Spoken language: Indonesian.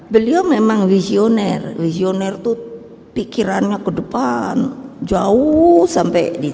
beliau memang visioner visioner itu pikirannya ke depan jauh sampai di